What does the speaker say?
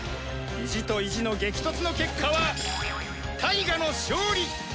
意地と意地の激突の結果はタイガの勝利。